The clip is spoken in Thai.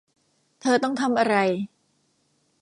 เธอต้องทำอะไร